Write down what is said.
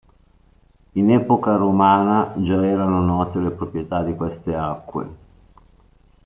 In epoca romana già erano note le proprietà di queste acque.